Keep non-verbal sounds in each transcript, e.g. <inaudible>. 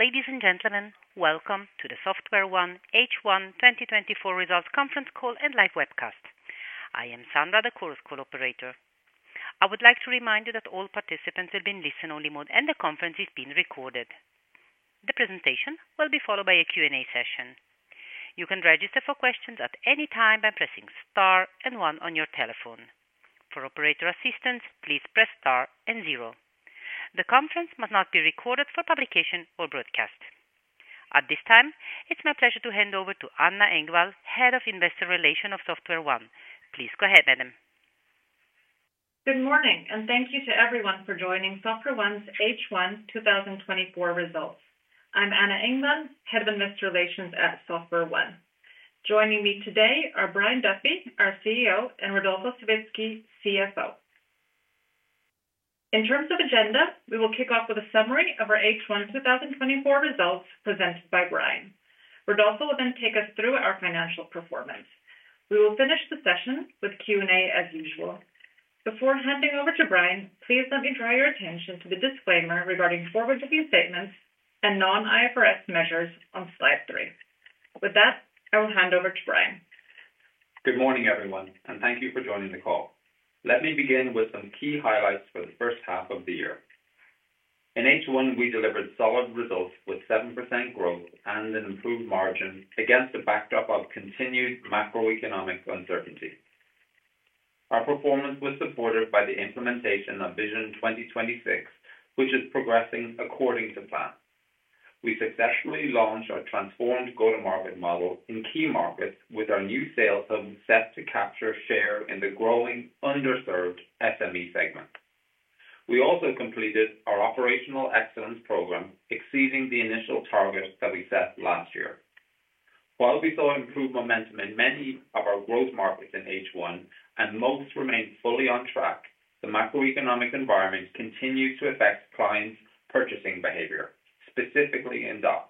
Ladies and gentlemen, welcome to the SoftwareOne H1 2024 Results conference call and live webcast. I am Sandra, the conference call operator. I would like to remind you that all participants will be in listen-only mode, and the conference is being recorded. The presentation will be followed by a Q&A session. You can register for questions at any time by pressing star and one on your telephone. For operator assistance, please press star and zero. The conference must not be recorded for publication or broadcast. At this time, it's my pleasure to hand over to Anna Engvall, Head of Investor Relations of SoftwareOne. Please go ahead, madam. Good morning, and thank you to everyone for joining SoftwareOne's H1 2024 results. I'm Anna Engvall, Head of Investor Relations at SoftwareOne. Joining me today are Brian Duffy, our CEO, and Rodolfo Savitzky, CFO. In terms of agenda, we will kick off with a summary of our H1 2024 results presented by Brian. Rodolfo will then take us through our financial performance. We will finish the session with Q&A as usual. Before handing over to Brian, please let me draw your attention to the disclaimer regarding forward-looking statements and non-IFRS measures on slide three. With that, I will hand over to Brian. Good morning, everyone, and thank you for joining the call. Let me begin with some key highlights for the first half of the year. In H1, we delivered solid results with 7% growth and an improved margin against a backdrop of continued macroeconomic uncertainty. Our performance was supported by the implementation of Vision 2026, which is progressing according to plan. We successfully launched our transformed go-to-market model in key markets, with our new sales hub set to capture share in the growing underserved SME segment. We also completed our operational excellence program, exceeding the initial targets that we set last year. While we saw improved momentum in many of our growth markets in H1, and most remain fully on track, the macroeconomic environment continues to affect clients' purchasing behavior, specifically in DACH.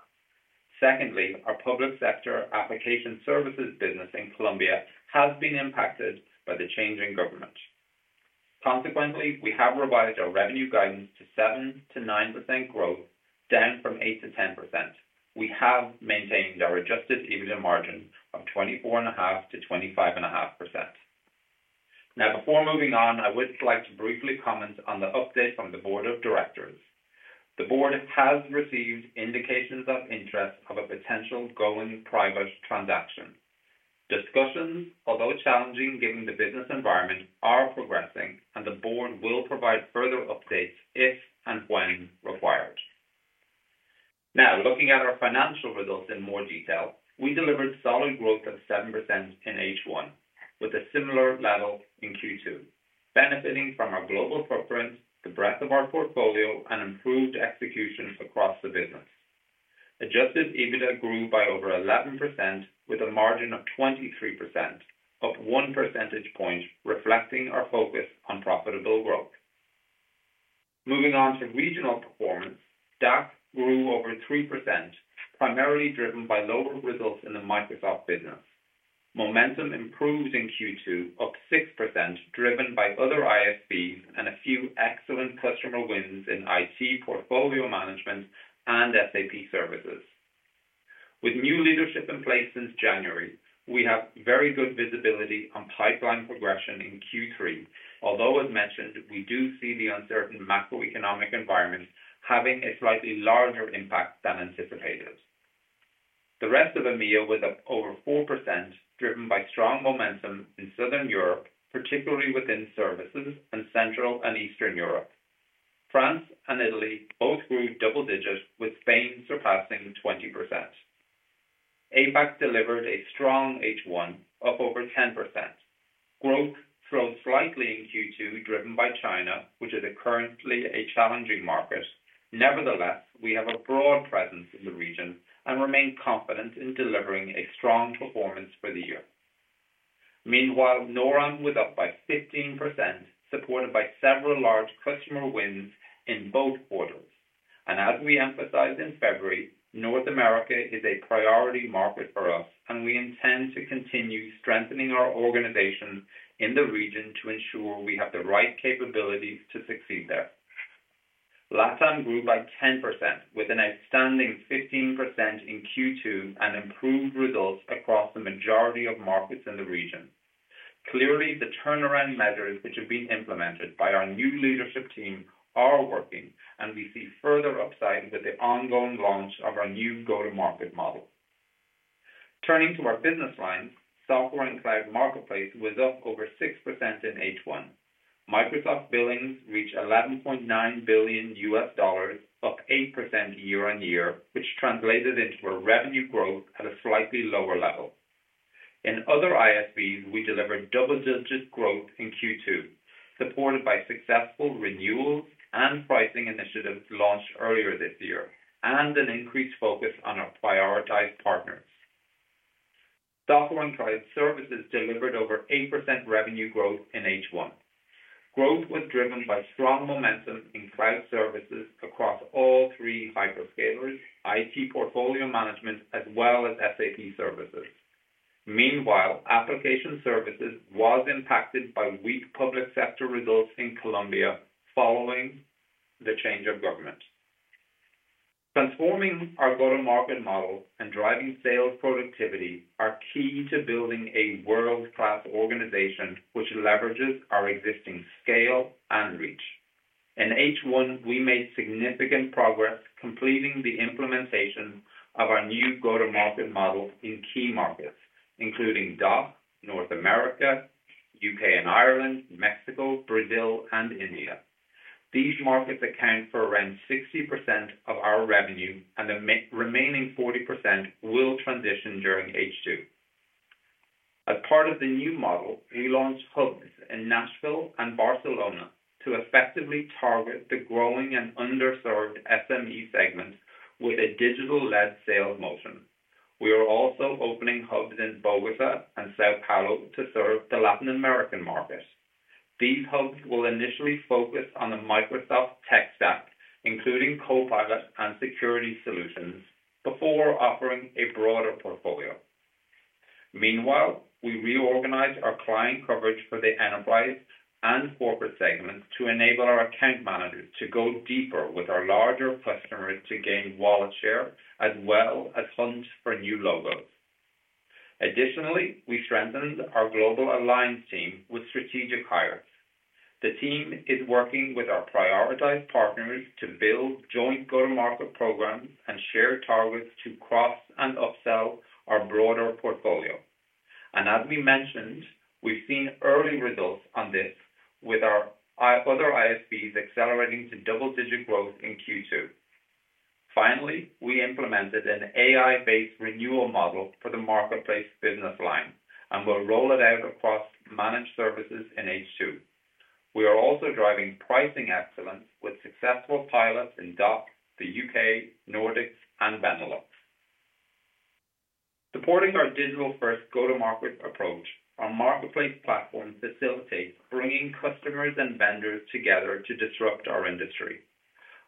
Secondly, our public sector application services business in Colombia has been impacted by the changing government. Consequently, we have revised our revenue guidance to 7%-9% growth, down from 8%-10%. We have maintained our adjusted EBITDA margin of 24.5%-25.5%. Now, before moving on, I would like to briefly comment on the update from the board of directors. The board has received indications of interest of a potential going-private transaction. Discussions, although challenging given the business environment, are progressing, and the board will provide further updates if and when required. Now, looking at our financial results in more detail, we delivered solid growth of 7% in H1, with a similar level in Q2, benefiting from our global footprint, the breadth of our portfolio, and improved execution across the business. Adjusted EBITDA grew by over 11%, with a margin of 23%, up one percentage point, reflecting our focus on profitable growth. Moving on to regional performance, DACH grew over 3%, primarily driven by lower results in the Microsoft business. Momentum improved in Q2, up 6%, driven by other ISVs and a few excellent customer wins in IT portfolio management, and SAP services. With new leadership in place since January, we have very good visibility on pipeline progression in Q3, although, as mentioned, we do see the uncertain macroeconomic environment having a slightly larger impact than anticipated. The rest of EMEA was up over 4%, driven by strong momentum in Southern Europe, particularly within services in Central and Eastern Europe. France and Italy both grew double digits, with Spain surpassing 20%. APAC delivered a strong H1, up over 10%. Growth slowed slightly in Q2, driven by China, which is currently a challenging market. Nevertheless, we have a broad presence in the region and remain confident in delivering a strong performance for the year. Meanwhile, NORAM was up by 15%, supported by several large customer wins in both quarters, and as we emphasized in February, North America is a priority market for us, and we intend to continue strengthening our organization in the region to ensure we have the right capabilities to succeed there. LATAM grew by 10%, with an outstanding 15% in Q2 and improved results across the majority of markets in the region. Clearly, the turnaround measures which have been implemented by our new leadership team are working, and we see further upside with the ongoing launch of our new go-to-market model. Turning to our business lines, software and cloud marketplace was up over 6% in H1. Microsoft billings reached $11.9 billion, up 8% year-on-year, which translated into a revenue growth at a slightly lower level. In other ISVs, we delivered double-digit growth in Q2, supported by successful renewals and pricing initiatives launched earlier this year, and an increased focus on our prioritized partners. Software and cloud services delivered over 8% revenue growth in H1. Growth was driven by strong momentum in cloud services across all three hyperscalers, IT portfolio management, as well as SAP services. Meanwhile, application services was impacted by weak public sector results in Colombia following the change of government. Transforming our go-to-market model and driving sales productivity are key to building a world-class organization, which leverages our existing scale and reach. In H1, we made significant progress, completing the implementation of our new go-to-market model in key markets, including DACH, North America, U.K. and Ireland, Mexico, Brazil, and India. These markets account for around 60% of our revenue, and the remaining 40% will transition during H2. As part of the new model, we launched hubs in Nashville and Barcelona to effectively target the growing and underserved SME segment with a digital-led sales motion. We are also opening hubs in Bogotá and São Paulo to serve the Latin American market. These hubs will initially focus on the Microsoft tech stack, including Copilot and security solutions, before offering a broader portfolio. Meanwhile, we reorganized our client coverage for the enterprise and corporate segments to enable our account managers to go deeper with our larger customers to gain wallet share, as well as hunt for new logos. Additionally, we strengthened our global alliance team with strategic hires. The team is working with our prioritized partners to build joint go-to-market programs and share targets to cross and upsell our broader portfolio. And as we mentioned, we've seen early results on this with our other ISVs accelerating to double-digit growth in Q2. Finally, we implemented an AI-based renewal model for the marketplace business line, and we'll roll it out across managed services in H2. We are also driving pricing excellence with successful pilots in DACH, the U.K., Nordics, and Benelux. Supporting our digital-first go-to-market approach, our marketplace platform facilitates bringing customers and vendors together to disrupt our industry.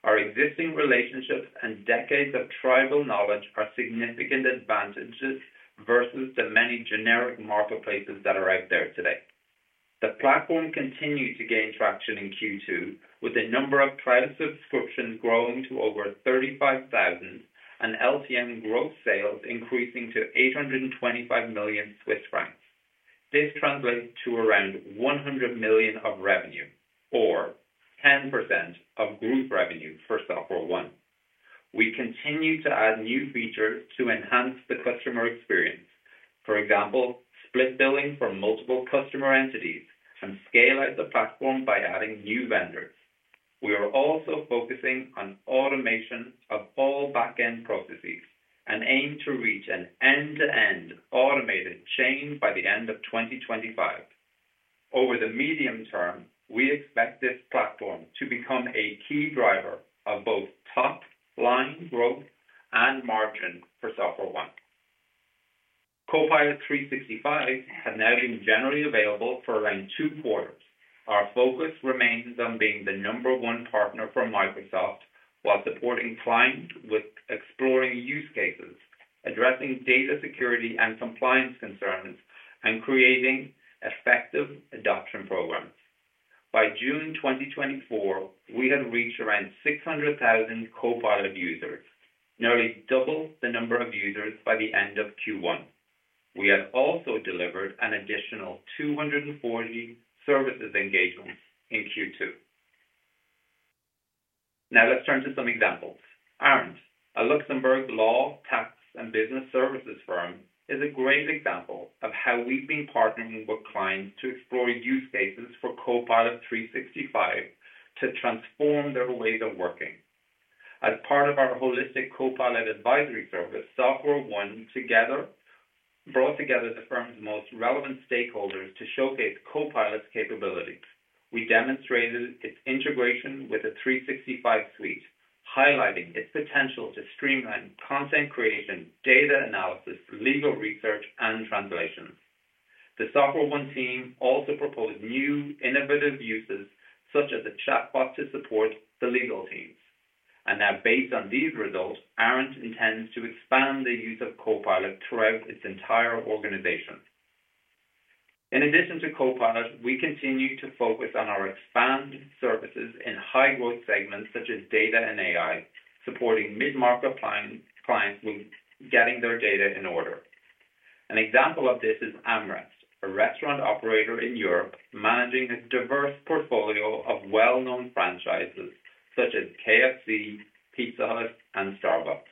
Our existing relationships and decades of tribal knowledge are significant advantages versus the many generic marketplaces that are out there today. The platform continued to gain traction in Q2, with the number of trial subscriptions growing to over 35,000, and LTM growth sales increasing to 825 million Swiss francs. This translates to around 100 million of revenue or 10% of group revenue for SoftwareOne. We continue to add new features to enhance the customer experience. For example, split billing for multiple customer entities and scale out the platform by adding new vendors. We are also focusing on automation of all back-end processes and aim to reach an end-to-end automated chain by the end of 2025. Over the medium term, we expect this platform to become a key driver of both top-line growth and margin for SoftwareOne. Copilot 365 has now been generally available for around two quarters. Our focus remains on being the number one partner for Microsoft while supporting clients with exploring use cases, addressing data security and compliance concerns, and creating effective adoption programs. By June 2024, we had reached around 600,000 Copilot users, nearly double the number of users by the end of Q1. We have also delivered an additional 240 services engagements in Q2. Now, let's turn to some examples. Arendt, a Luxembourg law, tax, and business services firm, is a great example of how we've been partnering with clients to explore use cases for Copilot 365 to transform their ways of working. As part of our holistic Copilot advisory service, SoftwareOne together brought together the firm's most relevant stakeholders to showcase Copilot's capabilities. We demonstrated its integration with the 365 Suite, highlighting its potential to streamline content creation, data analysis, legal research, and translations. The SoftwareOne team also proposed new innovative uses, such as a chatbot, to support the legal teams, and now, based on these results, Arendt intends to expand the use of Copilot throughout its entire organization. In addition to Copilot, we continue to focus on our expanded services in high-growth segments such as data and AI, supporting mid-market clients, clients with getting their data in order. An example of this is AmRest, a restaurant operator in Europe, managing a diverse portfolio of well-known franchises such as KFC, Pizza Hut, and Starbucks.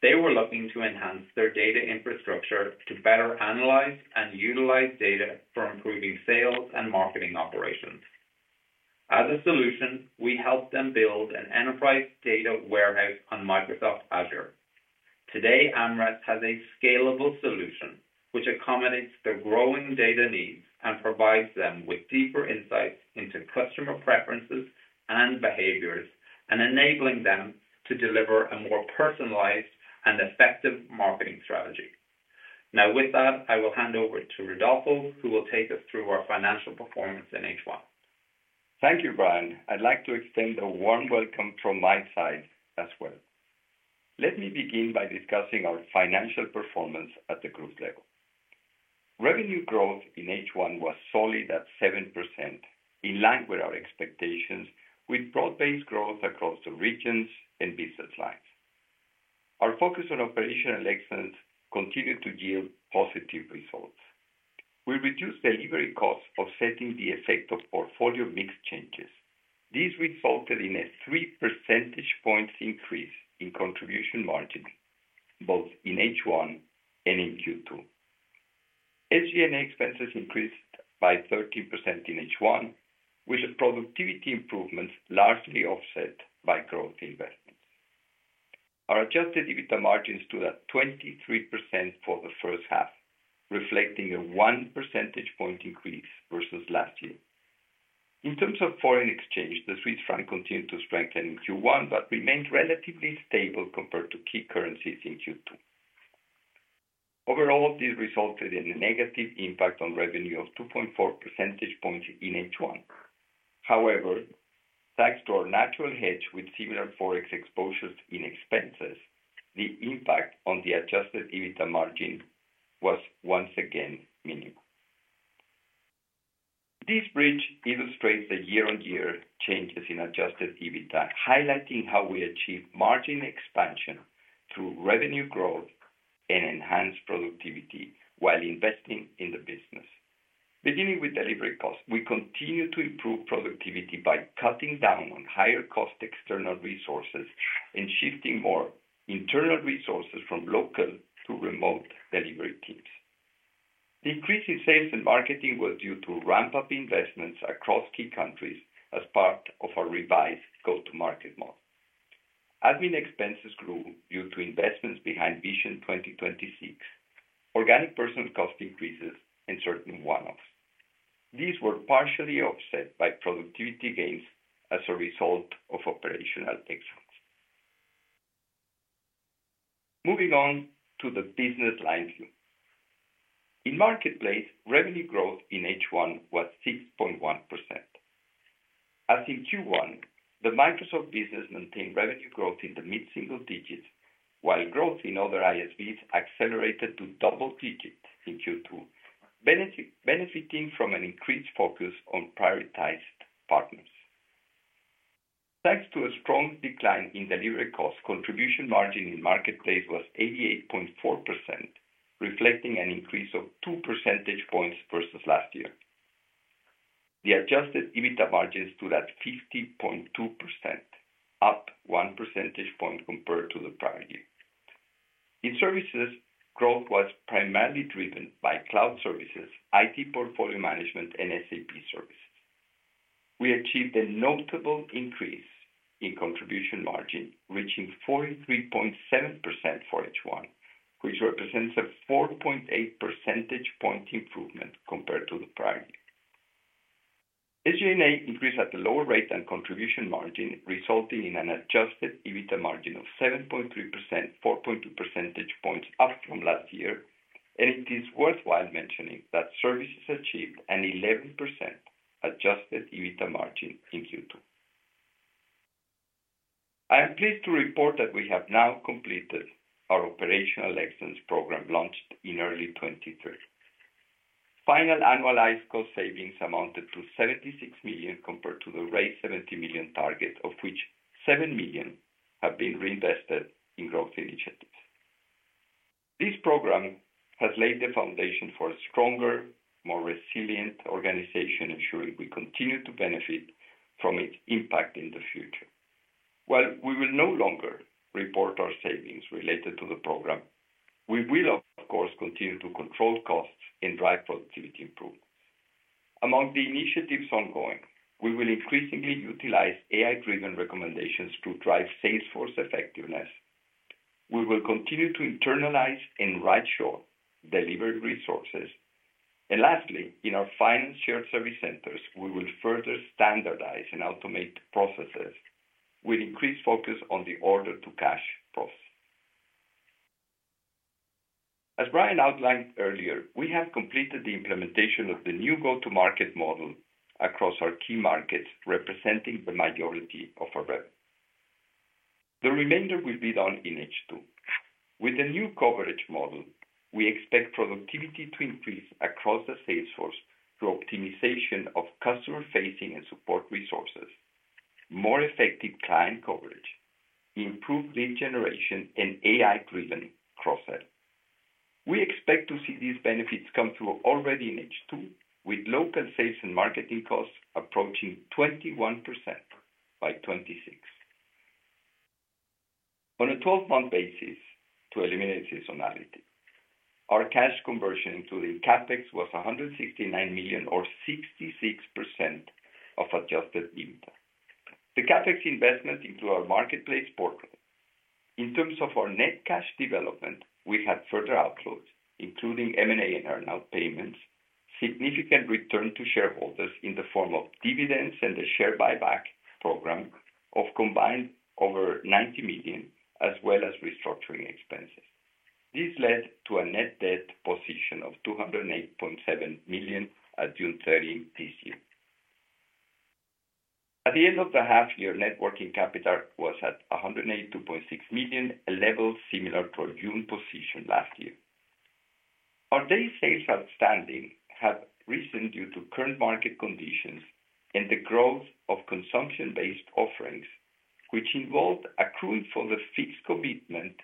They were looking to enhance their data infrastructure to better analyze and utilize data for improving sales and marketing operations. As a solution, we helped them build an enterprise data warehouse on Microsoft Azure. Today, AmRest has a scalable solution which accommodates their growing data needs and provides them with deeper insights into customer preferences and behaviors, and enabling them to deliver a more personalized and effective marketing strategy. Now, with that, I will hand over to Rodolfo, who will take us through our financial performance in H1.... Thank you, Brian. I'd like to extend a warm welcome from my side as well. Let me begin by discussing our financial performance at the group level. Revenue growth in H1 was solid at 7%, in line with our expectations, with broad-based growth across the regions and business lines. Our focus on operational excellence continued to yield positive results. We reduced delivery costs, offsetting the effect of portfolio mix changes. This resulted in a three percentage points increase in contribution margin, both in H1 and in Q2. SG&A expenses increased by 13% in H1, with productivity improvements largely offset by growth investments. Our adjusted EBITDA margins stood at 23% for the first half, reflecting a one percentage point increase versus last year. In terms of foreign exchange, the Swiss franc continued to strengthen in Q1, but remained relatively stable compared to key currencies in Q2. Overall, this resulted in a negative impact on revenue of 2.4 percentage points in H1. However, thanks to our natural hedge with similar Forex exposures in expenses, the impact on the adjusted EBITDA margin was once again minimal. This bridge illustrates the year-on-year changes in adjusted EBITDA, highlighting how we achieve margin expansion through revenue growth and enhanced productivity while investing in the business. Beginning with delivery costs, we continue to improve productivity by cutting down on higher cost external resources and shifting more internal resources from local to remote delivery teams. The increase in sales and marketing was due to ramp-up investments across key countries as part of our revised go-to-market model. Admin expenses grew due to investments behind Vision 2026, organic personal cost increases, and certain one-offs. These were partially offset by productivity gains as a result of operational excellence. Moving on to the business line view. In Marketplace, revenue growth in H1 was 6.1%. As in Q1, the Microsoft business maintained revenue growth in the mid-single digits, while growth in other ISVs accelerated to double digits in Q2, benefiting from an increased focus on prioritized partners. Thanks to a strong decline in delivery costs, contribution margin in Marketplace was 88.4%, reflecting an increase of two percentage points versus last year. The adjusted EBITDA margins stood at 50.2%, up one percentage point compared to the prior year. In services, growth was primarily driven by cloud services, IT portfolio management, and SAP services. We achieved a notable increase in contribution margin, reaching 43.7% for H1, which represents a 4.8 percentage point improvement compared to the prior year. SG&A increased at a lower rate than contribution margin, resulting in an adjusted EBITDA margin of 7.3%, 4.2 percentage points up from last year, and it is worthwhile mentioning that services achieved an 11% adjusted EBITDA margin in Q2. I am pleased to report that we have now completed our operational excellence program, launched in early 2023. Final annualized cost savings amounted to 76 million, compared to the raised 70 million target, of which 7 million have been reinvested in growth initiatives. This program has laid the foundation for a stronger, more resilient organization, ensuring we continue to benefit from its impact in the future. While we will no longer report our savings related to the program, we will, of course, continue to control costs and drive productivity improvements. Among the initiatives ongoing, we will increasingly utilize AI-driven recommendations to drive salesforce effectiveness. We will continue to internalize and rightshore delivered resources. And lastly, in our final shared service centers, we will further standardize and automate processes with increased focus on the order-to-cash process. As Brian outlined earlier, we have completed the implementation of the new go-to-market model across our key markets, representing the majority of our revenue. The remainder will be done in H2. With the new coverage model, we expect productivity to increase across the salesforce through optimization of customer-facing and support resources, more effective client coverage, improved lead generation, and AI-driven cross-sell. We expect to see these benefits come through already in H2, with local sales and marketing costs approaching 21% by 2026. On a 12-month basis, to eliminate seasonality, our cash conversion into the CapEx was 169 million, or 66% of adjusted EBITDA. The CapEx investment into our marketplace portal. In terms of our net cash development, we had further outflows, including M&A and earn-out payments, significant return to shareholders in the form of dividends and a share buyback program of combined over 90 million, as well as restructuring expenses. This led to a net debt position of 208.7 million at June 30 this year. At the end of the half year, net working capital was at 182.6 million, a level similar to our June position last year. Our days sales outstanding have risen due to current market conditions and the growth of consumption-based offerings, which involved accruing for the fixed commitment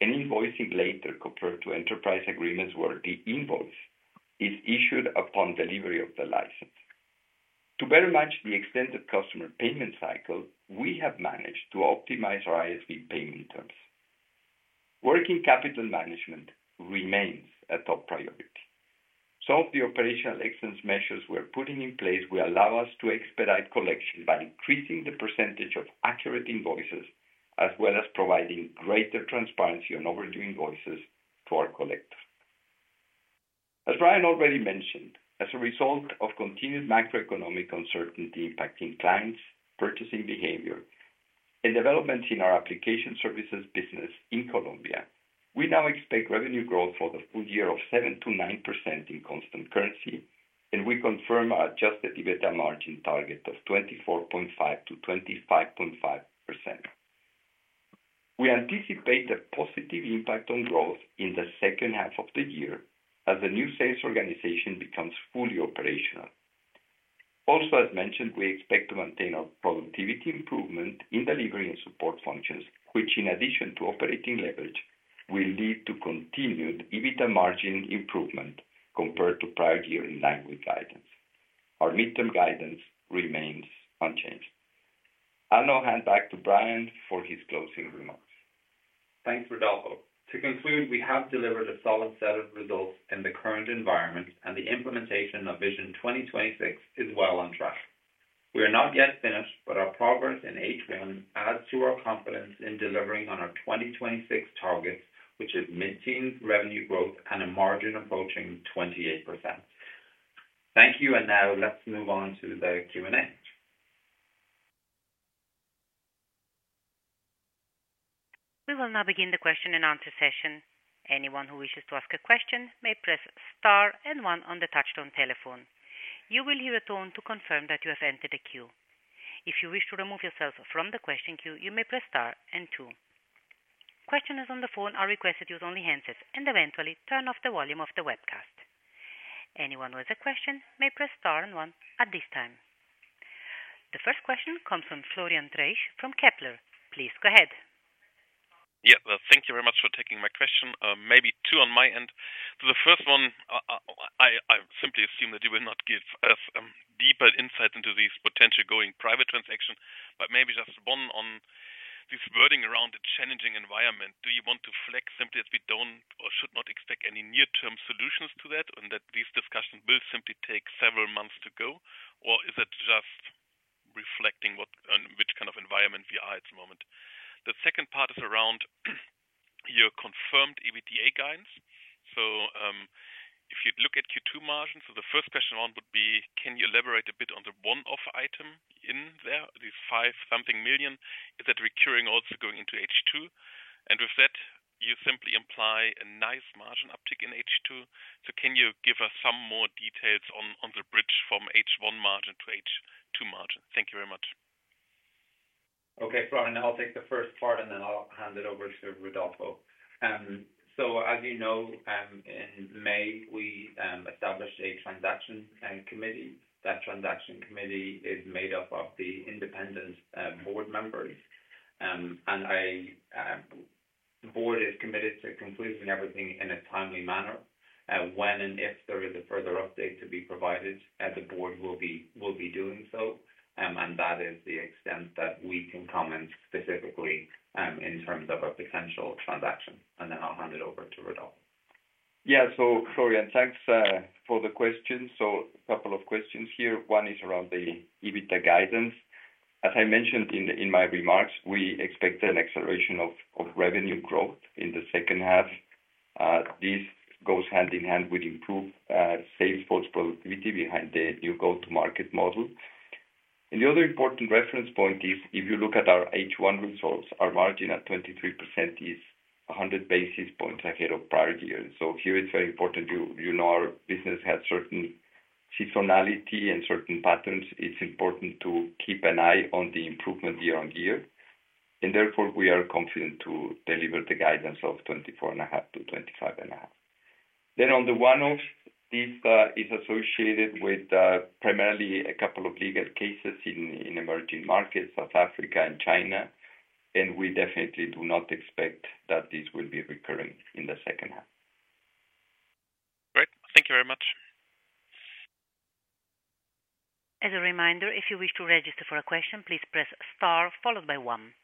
and invoicing later, compared to enterprise agreements, where the invoice is issued upon delivery of the license. To better match the extended customer payment cycle, we have managed to optimize our ISV payment terms. Working capital management remains a top priority. Some of the operational excellence measures we're putting in place will allow us to expedite collection by increasing the percentage of accurate invoices, as well as providing greater transparency on overdue invoices to our collectors. As Brian already mentioned, as a result of continued macroeconomic uncertainty impacting clients' purchasing behavior and developments in our application services business in Colombia, we now expect revenue growth for the full year of 7%-9% in constant currency, and we confirm our adjusted EBITDA margin target of 24.5%-25.5%. We anticipate a positive impact on growth in the second half of the year as the new sales organization becomes fully operational. Also, as mentioned, we expect to maintain our productivity improvement in delivery and support functions, which in addition to operating leverage, will lead to continued EBITDA margin improvement compared to prior year in line with guidance. Our midterm guidance remains unchanged. I'll now hand back to Brian for his closing remarks. Thanks, Rodolfo. To conclude, we have delivered a solid set of results in the current environment, and the implementation of Vision 2026 is well on track. We are not yet finished, but our progress in H1 adds to our confidence in delivering on our 2026 targets, which is mid-teen revenue growth and a margin approaching 28%. Thank you, and now let's move on to the Q&A. We will now begin the question-and-answer session. Anyone who wishes to ask a question may press star and one on the touchtone telephone. You will hear a tone to confirm that you have entered a queue. If you wish to remove yourself from the question queue, you may press star and two. Questioners on the phone are requested to use only handsets and eventually turn off the volume of the webcast. Anyone with a question may press star and one at this time. The first question comes from Florian Treisch from Kepler. Please go ahead. Yeah. Well, thank you very much for taking my question. Maybe two on my end. So the first one, I simply assume that you will not give us deeper insight into these potential going private transaction, but maybe just one on this wording around the challenging environment. Do you want to flag simply as we don't or should not expect any near-term solutions to that, and that these discussions will simply take several months to go? Or is it just reflecting what and which kind of environment we are at the moment? The second part is around your confirmed EBITDA guidance. So, if you look at Q2 margins, so the first question on would be: Can you elaborate a bit on the one-off item in there, the five something million? Is that recurring also going into H2? And with that, you simply imply a nice margin uptick in H2. So can you give us some more details on the bridge from H1 margin to H2 margin? Thank you very much. Okay, Florian, I'll take the first part, and then I'll hand it over to Rodolfo. So as you know, in May, we established a transaction and committee. That transaction committee is made up of the independent board members. And I, the board is committed to completing everything in a timely manner. When and if there is a further update to be provided, the board will be doing so, and that is the extent that we can comment specifically in terms of a potential transaction. And then I'll hand it over to Rodolfo. Yeah. So Florian, thanks for the question. So a couple of questions here. One is around the EBITDA guidance. As I mentioned in my remarks, we expect an acceleration of revenue growth in the second half. This goes hand in hand with improved sales force productivity behind the new go-to-market model. And the other important reference point is, if you look at our H1 results, our margin at 23% is 100 basis points ahead of prior year. So here it's very important you know, our business has certain seasonality and certain patterns. It's important to keep an eye on the improvement year-on-year, and therefore, we are confident to deliver the guidance of 24.5%-25.5%. Then, on the one-off, this is associated with primarily a couple of legal cases in emerging markets, South Africa, and China, and we definitely do not expect that this will be recurring in the second half. Great. Thank you very much. As a reminder, if you wish to register for a question, please press star followed by one.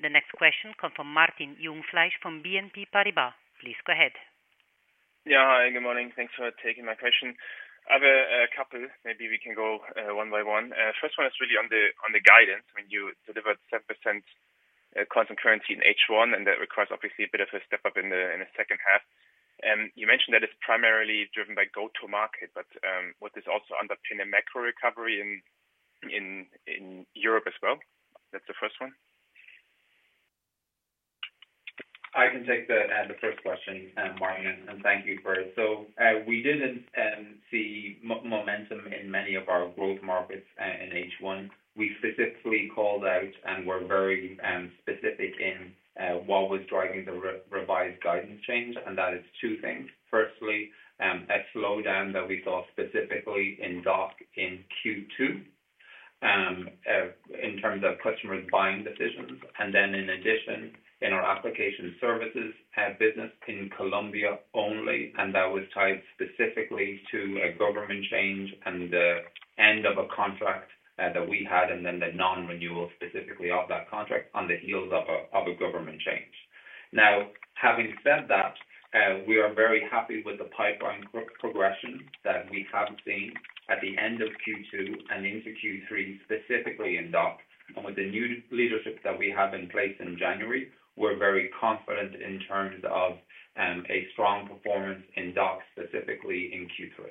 The next question comes from Martin Jungfleisch from BNP Paribas. Please go ahead. Yeah. Hi, good morning. Thanks for taking my question. I have a couple, maybe we can go one by one. First one is really on the guidance. When you delivered 7% constant currency in H1, and that requires obviously a bit of a step up in the second half, and you mentioned that it's primarily driven by go-to-market, but was this also underpinned a macro recovery in Europe as well? That's the first one. I can take the first question, Martin, and thank you for it. So, we didn't see momentum in many of our growth markets in H1. We specifically called out and were very specific in what was driving the revised guidance change, and that is two things. Firstly, a slowdown that we saw specifically in DACH in Q2 in terms of customers' buying decisions, and then in addition, in our application services business in Colombia only, and that was tied specifically to a government change and the end of a contract that we had, and then the non-renewal specifically of that contract on the heels of a government change. Now, having said that, we are very happy with the pipeline progression that we have seen at the end of Q2 and into Q3, specifically in DACH. With the new leadership that we have in place in January, we're very confident in terms of a strong performance in DACH, specifically in Q3.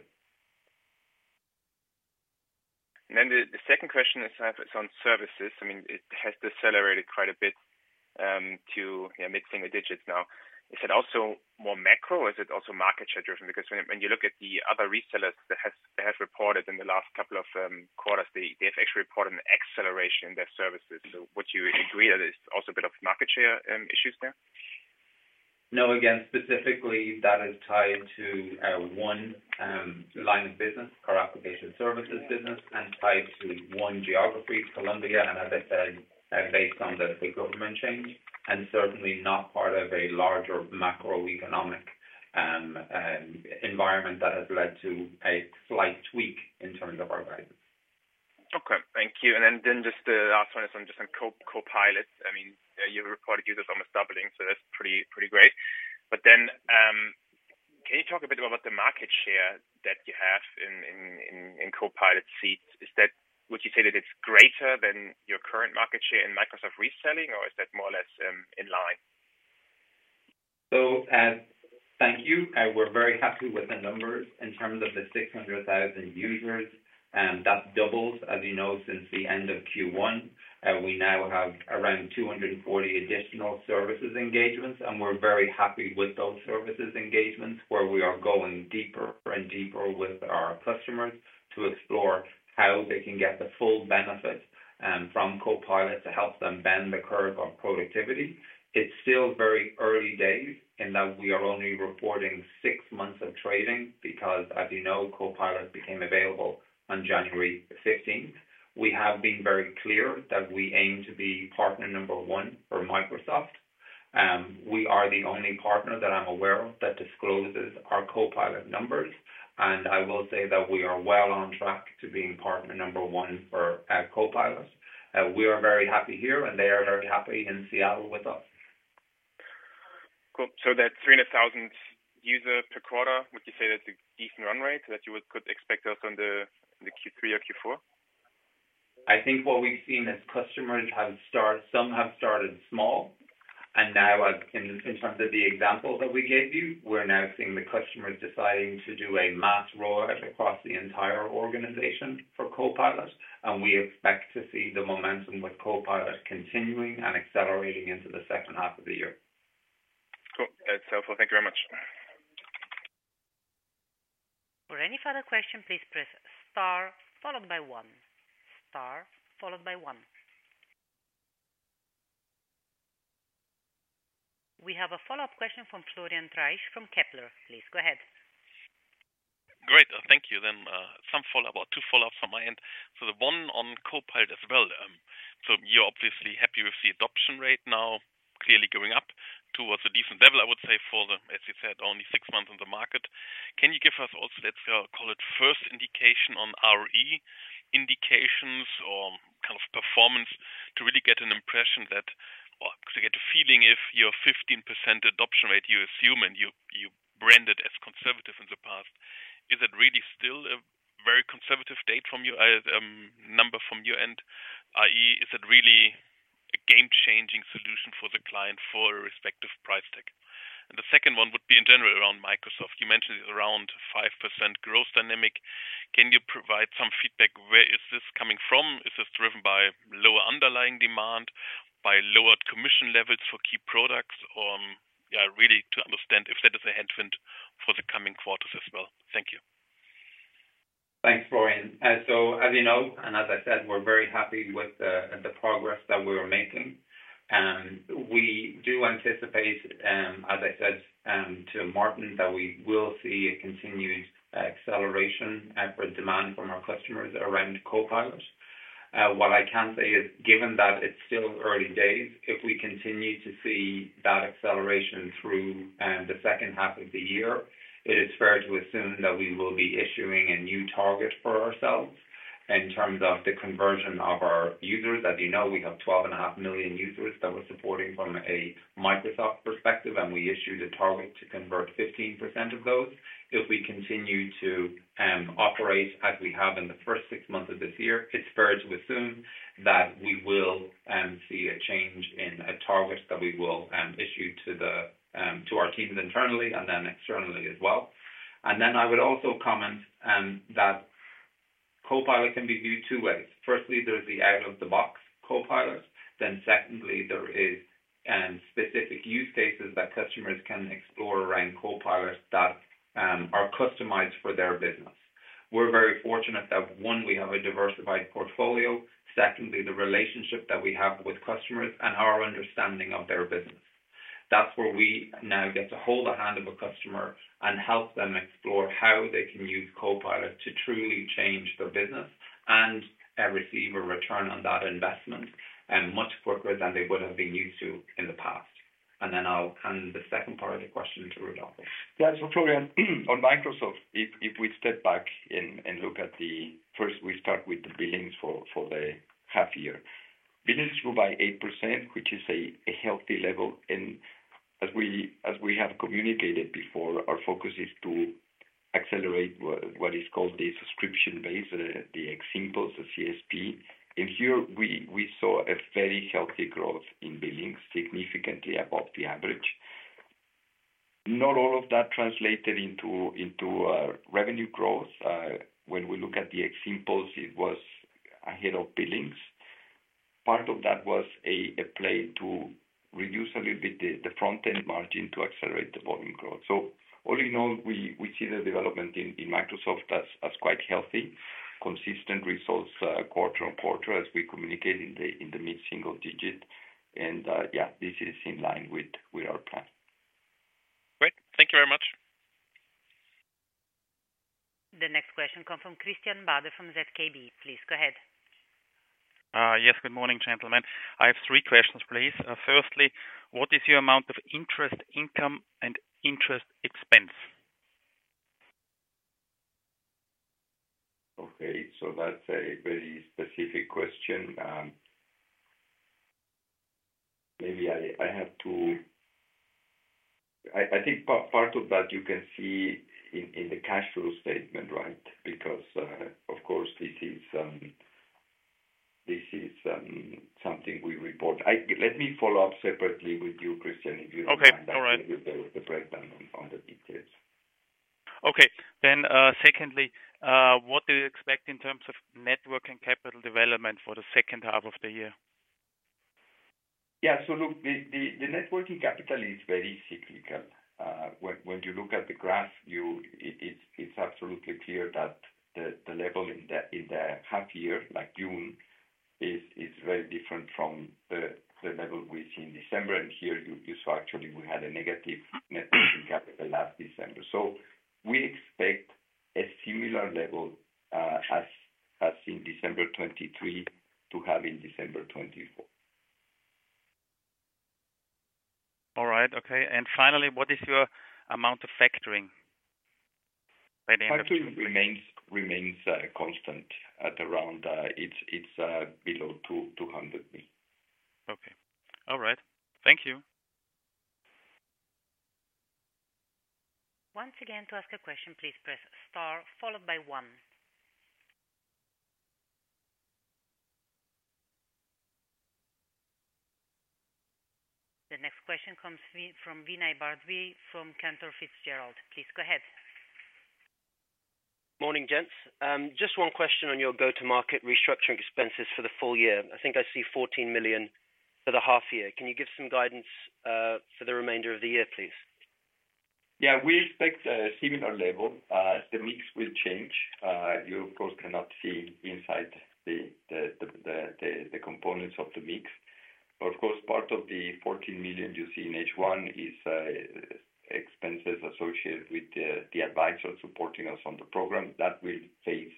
And then the second question is, it's on services. I mean, it has decelerated quite a bit, to you know mixing the digits now. Is it also more macro, or is it also market share driven? Because when you look at the other resellers that has they have reported in the last couple of quarters, they have actually reported an acceleration in their services. So would you agree that it's also a bit of market share issues there? No, again, specifically, that is tied to one line of business, core application services business, and tied to one geography, Colombia, and as I said, based on the government change, and certainly not part of a larger macroeconomic environment that has led to a slight tweak in terms of our guidance. Okay, thank you. And then just the last one is on Copilot. I mean, you reported users almost doubling, so that's pretty great. But then can you talk a bit about the market share that you have in Copilot seats? Is that... Would you say that it's greater than your current market share in Microsoft reselling, or is that more or less in line? So, thank you. We're very happy with the numbers in terms of the 600,000 users, that doubles, as you know, since the end of Q1. We now have around 240 additional services engagements, and we're very happy with those services engagements, where we are going deeper and deeper with our customers to explore how they can get the full benefit, from Copilot to help them bend the curve on productivity. It's still very early days in that we are only reporting six months of trading because, as you know, Copilot became available on January 15th. We have been very clear that we aim to be partner number one for Microsoft. We are the only partner that I'm aware of that discloses our Copilot numbers, and I will say that we are well on track to being partner number one for Copilot. We are very happy here, and they are very happy in Seattle with us. Cool. So that's 300,000 user per quarter. Would you say that's a decent run rate that you could expect us on the Q3 or Q4? I think what we've seen is customers have, some have started small, and now as in, in terms of the example that we gave you, we're now seeing the customers deciding to do a mass rollout across the entire organization for Copilot, and we expect to see the momentum with Copilot continuing and accelerating into the second half of the year. Cool. That's helpful. Thank you very much. For any further question, please press star followed by one. Star followed by one. We have a follow-up question from Florian Treisch from Kepler. Please, go ahead. Great. Thank you then, some follow-up or two follow-ups from my end. So the one on Copilot as well, so you're obviously happy with the adoption rate now, clearly going up towards a decent level, I would say, for the, as you said, only six months on the market. Can you give us also, let's call it first indication on revenue indications or kind of performance to really get an impression that, or to get a feeling if your 15% adoption rate, you assume, and you branded as conservative in the past, is it really still a very conservative data from you, number from your end, i.e., is it really a game-changing solution for the client for a respective price tag? And the second one would be in general around Microsoft. You mentioned around 5% growth dynamic. Can you provide some feedback? Where is this coming from? Is this driven by lower underlying demand, by lowered commission levels for key products? Yeah, really to understand if that is a headwind for the coming quarters as well. Thank you. Thanks, Florian. So as you know, and as I said, we're very happy with the progress that we're making. We do anticipate, as I said, to Martin, that we will see a continued acceleration for demand from our customers around Copilot. What I can say is, given that it's still early days, if we continue to see that acceleration through the second half of the year, it is fair to assume that we will be issuing a new target for ourselves in terms of the conversion of our users. As you know, we have 12.5 million users that we're supporting from a Microsoft perspective, and we issued a target to convert 15% of those.... If we continue to operate as we have in the first six months of this year, it's fair to assume that we will see a change in a target that we will issue to our teams internally and then externally as well. And then I would also comment that Copilot can be viewed two ways. Firstly, there's the out-of-the-box Copilots, then secondly, there is specific use cases that customers can explore around Copilots that are customized for their business. We're very fortunate that one, we have a diversified portfolio, secondly, the relationship that we have with customers and our understanding of their business. That's where we now get to hold the hand of a customer and help them explore how they can use Copilot to truly change their business, and, receive a return on that investment, and much quicker than they would have been used to in the past. And then I'll hand the second part of the question to Rodolfo. Yeah, so Florian, on Microsoft, if we step back and look at the first, we start with the billings for the half year. Billings grew by 8%, which is a healthy level, and as we have communicated before, our focus is to accelerate what is called the subscription base, the, <audio distortion> the CSP. And here we saw a very healthy growth in billings, significantly above the average. Not all of that translated into revenue growth. When we look at the, <audio distortion> it was ahead of billings. Part of that was a play to reduce a little bit the front-end margin to accelerate the volume growth. So all in all, we see the development in Microsoft as quite healthy, consistent results, quarter-on-quarter, as we communicate in the mid-single digit, and yeah, this is in line with our plan. Great, thank you very much. The next question comes from Christian Bader from ZKB. Please, go ahead. Yes, good morning, gentlemen. I have three questions, please. Firstly, what is your amount of interest, income, and interest expense? Okay, so that's a very specific question. Maybe I have to... I think part of that you can see in the cash flow statement, right? Because, of course, this is something we report. Let me follow up separately with you, Christian, if you don't mind. Okay, all right. I'll give you the breakdown on the details. Okay. Then, secondly, what do you expect in terms of network and capital development for the second half of the year? Yeah, so look, the net working capital is very cyclical. When you look at the graph, it's absolutely clear that the level in the half year, like June, is very different from the level we see in December, and here you saw actually we had a negative net working capital last December. So we expect a similar level, as in December 2023 to have in December 2024. All right. Okay. And finally, what is your amount of factoring? By the end of- Factoring remains constant at around, it's below 200 million. Okay. All right. Thank you. Once again, to ask a question, please press star followed by one. The next question comes from Vinay Bhardwaj from Cantor Fitzgerald. Please, go ahead. Morning, gents. Just one question on your go-to-market restructuring expenses for the full year. I think I see 14 million for the half year. Can you give some guidance, for the remainder of the year, please? Yeah, we expect a similar level. The mix will change. You, of course, cannot see inside the components of the mix. But of course, part of the 14 million you see in H1 is expenses associated with the advisor supporting us on the program. That will phase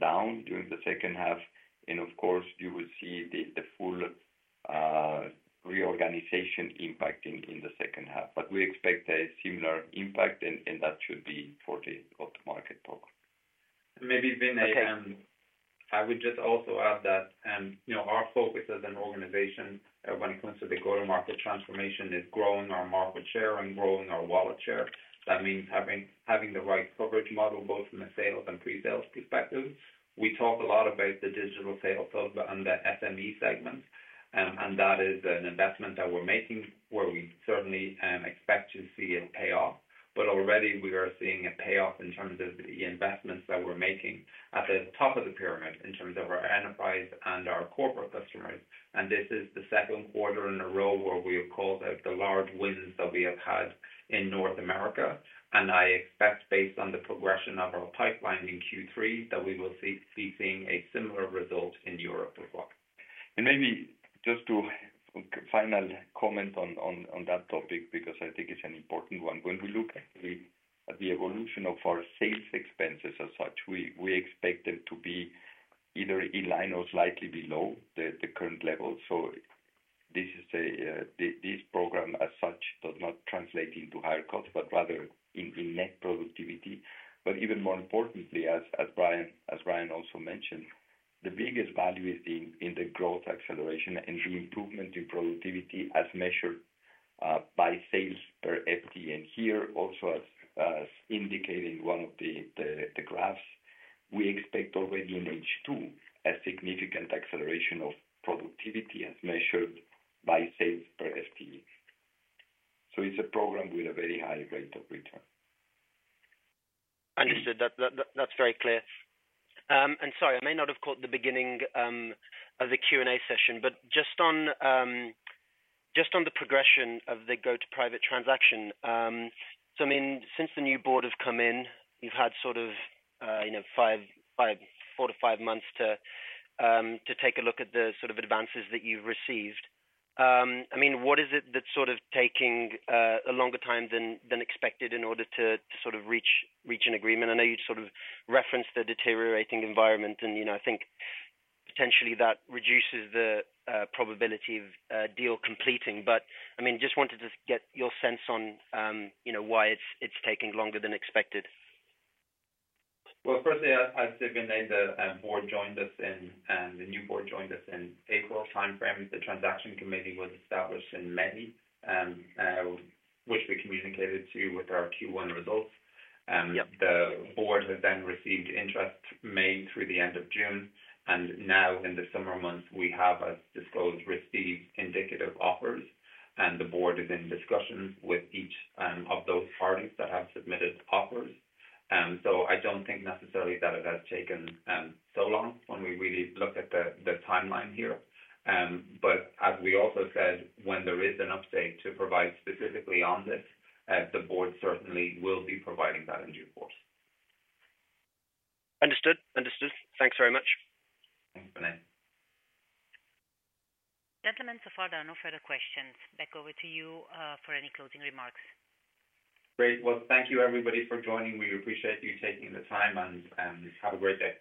down during the second half, and of course, you will see the full reorganization impacting in the second half. But we expect a similar impact, and that should be for the go-to-market program. Maybe, Vinay, I would just also add that, you know, our focus as an organization, when it comes to the go-to-market transformation, is growing our market share and growing our wallet share. That means having the right coverage model, both from a sales and pre-sales perspective. We talk a lot about the digital sales hub and the SME segment, and that is an investment that we're making where we certainly expect to see a payoff. But already we are seeing a payoff in terms of the investments that we're making at the top of the pyramid, in terms of our enterprise and our corporate customers. And this is the second quarter in a row where we have called out the large wins that we have had in North America. I expect, based on the progression of our pipeline in Q3, that we will be seeing a similar result in Europe as well. Maybe just to final comment on that topic, because I think it's an important one. When we look at the evolution of our sales expenses as such, we expect them to be either in line or slightly below the current level. This program as such does not translate into higher costs, but rather in net productivity.... But even more importantly, as Brian also mentioned, the biggest value is in the growth acceleration and the improvement in productivity as measured by sales per FTE. And here also, as indicated in one of the graphs, we expect already in H2 a significant acceleration of productivity as measured by sales per FTE. So it's a program with a very high rate of return. Understood. That, that's very clear. And sorry, I may not have caught the beginning of the Q&A session, but just on, just on the progression of the go-to private transaction. So I mean, since the new board has come in, you've had sort of, you know, four to five months to take a look at the sort of advances that you've received. I mean, what is it that's sort of taking a longer time than expected in order to sort of reach an agreement? I know you sort of referenced the deteriorating environment, and, you know, I think potentially that reduces the probability of a deal completing. But, I mean, just wanted to get your sense on, you know, why it's taking longer than expected. Firstly, as said, the new board joined us in April timeframe. The transaction committee was established in May, which we communicated to you with our Q1 results. Yep. The board has then received interest May through the end of June, and now in the summer months, we have, as disclosed, received indicative offers, and the board is in discussions with each of those parties that have submitted offers. So I don't think necessarily that it has taken so long when we really look at the timeline here. But as we also said, when there is an update to provide specifically on this, the board certainly will be providing that in due course. Understood. Understood. Thanks very much. Thanks, Vinay. Gentlemen, so far there are no further questions. Back over to you, for any closing remarks. Great. Well, thank you, everybody, for joining. We appreciate you taking the time and have a great day.